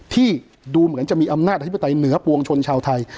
ที่ดูเหมือนจะมีอำนาจอธิปไตยเหนือปวงชนชาวไทย